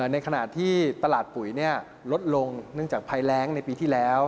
ในขณะที่ตลาดปุ๋ยลดลงเนื่องจากภัยแรงในปีที่แล้ว